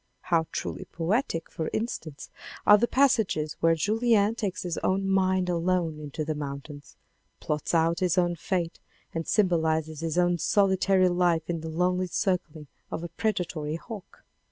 How truly poetic, for instance, are the passages where Julien takes his own mind alone into the mountains, plots out his own fate, and symbolizes his own solitary life in the lonely circlings of a predatory hawk.